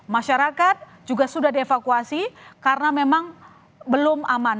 masyarakat juga sudah dievakuasi karena memang belum aman